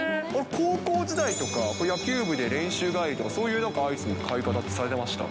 高校時代とか、野球部で練習帰りとか、そういうなんかアイスの買い方ってされてました？